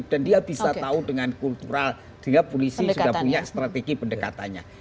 dan dia bisa tahu dengan kultural dia punya strategi pendekatannya